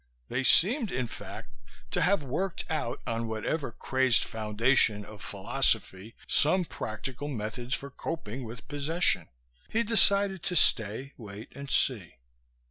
They seemed, in fact, to have worked out, on whatever crazed foundation of philosophy, some practical methods for coping with possession. He decided to stay, wait and see.